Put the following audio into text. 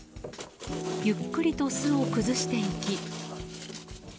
ゆっくりと巣を崩していき。